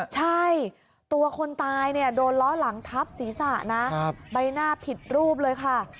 ใช่ตัวคนตายโดนล้อหลังทับศีรษะนะใบหน้าผิดรูปเลยค่ะ